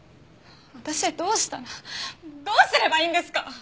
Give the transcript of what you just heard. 私どうしたらどうすればいいんですか！